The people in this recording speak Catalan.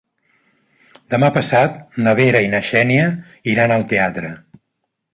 Demà passat na Vera i na Xènia iran al teatre.